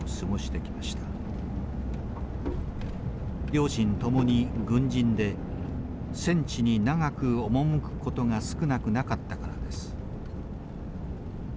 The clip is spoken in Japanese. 両親共に軍人で戦地に長く赴くことが少なくなかったからです。